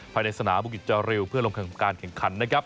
ภายในสนามบุกิจจาริวเพื่อลงแข่งการแข่งขันนะครับ